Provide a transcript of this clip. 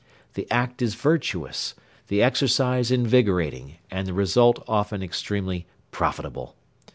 The act is virtuous, the exercise invigorating, and the result often extremely profitable.